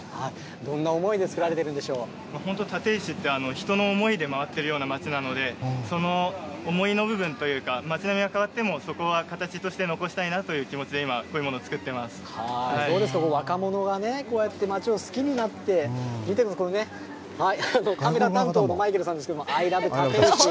どんな思いで作られてるんでしょ本当、立石って、人の思いで回ってるような町なので、その思いの部分というか、町並みが変わってもそこは形として残したいなという気持ちで今、こういうものどうですか、若者がね、こうやって町を好きになって、見てください、このね、カメラ担当のマイケルさんですけれども、アイラブ立石。